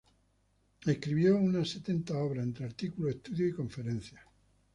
Escribió unas setenta obras, entre artículos, estudios y conferencias.